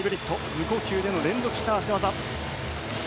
無呼吸での連続した脚技。